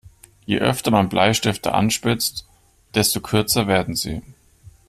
Je öfter man Bleistifte anspitzt, desto kürzer werden sie.